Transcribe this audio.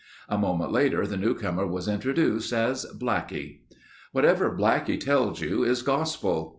A moment later the newcomer was introduced as "Blackie." "Whatever Blackie tells you is gospel.